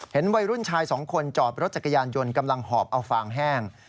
วัยรุ่นชายสองคนจอดรถจักรยานยนต์กำลังหอบเอาฟางแห้ง